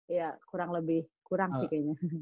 ya kurang lebih kurang sih kayaknya